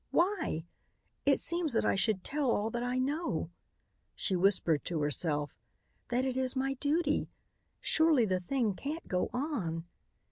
Why? It seems that I should tell all that I know," she whispered to herself, "that it is my duty. Surely the thing can't go on."